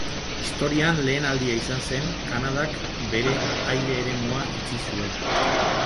Historian lehen aldia izan zen Kanadak bere aire-eremua itxi zuela.